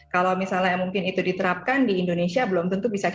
kalau misalnya mungkin itu diterapkan di indonesia belum pernah